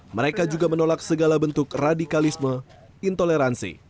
mereka juga menolak segala bentuk radikalisme intoleransi